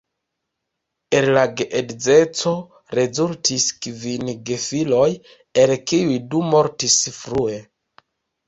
El la geedzeco rezultis kvin gefiloj, el kiuj du mortis frue.